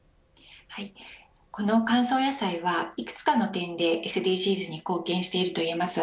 この乾燥野菜はいくつかの点でＳＤＧｓに貢献しているといえます。